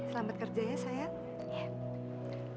selamat kerja ya sayang